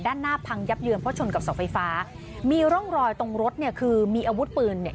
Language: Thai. ด้านหน้าพังยับเยินเพราะชนกับเสาไฟฟ้ามีร่องรอยตรงรถเนี่ยคือมีอาวุธปืนเนี่ย